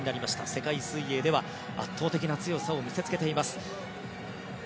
世界水泳では圧倒的な強さを見せつけています。